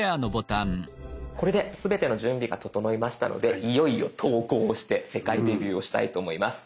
これですべての準備が整いましたのでいよいよ投稿をして世界デビューをしたいと思います。